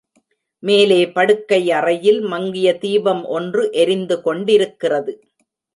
மேலே படுக்கை அறையில் மங்கிய தீபம் ஒன்று எரிந்து கொண்டிருக்கிறது.